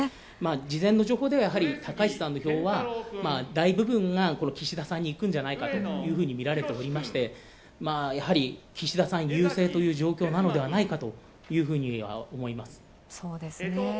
事前の情報では、高市さんの票は大部分が岸田さんにいくんじゃないかというふうにみられていましてやはり、岸田さん優勢という状況なのではないかというふうには思います。